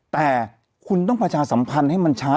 แต่คุณต้องประชาสัมพันธ์ให้มันช้า